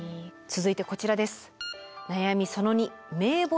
続いてこちらです。